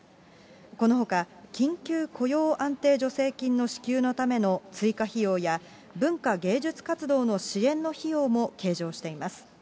このほか、緊急雇用安定助成金の支給のための追加費用や、文化芸術活動の支援の費用も計上しています。